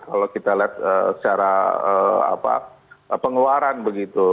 kalau kita lihat secara pengeluaran begitu